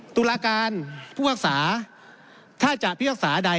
ตุลาการผู้ภาคศาถ้าจะพิพากษาใด